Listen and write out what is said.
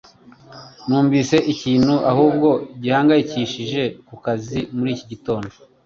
numvise ikintu ahubwo gihangayikishije kukazi muri iki gitondo